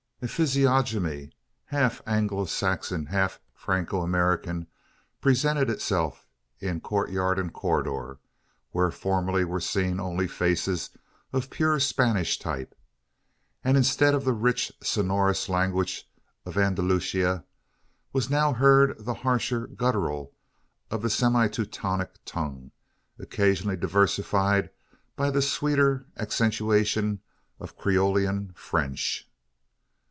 A physiognomy, half Anglo Saxon, half Franco American, presented itself in courtyard and corridor, where formerly were seen only faces of pure Spanish type; and instead of the rich sonorous language of Andalusia, was now heard the harsher guttural of a semi Teutonic tongue occasionally diversified by the sweeter accentuation of Creolian French.